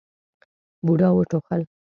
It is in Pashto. بوډا وټوخل.